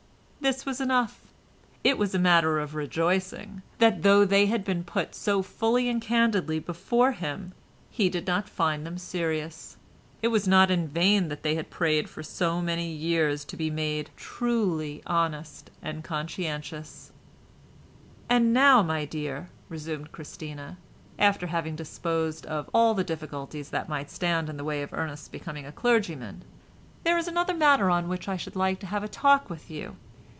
This was enough; it was a matter for rejoicing that, though they had been put so fully and candidly before him, he did not find them serious. It was not in vain that they had prayed for so many years to be made "truly honest and conscientious." "And now, my dear," resumed Christina, after having disposed of all the difficulties that might stand in the way of Ernest's becoming a clergyman, "there is another matter on which I should like to have a talk with you.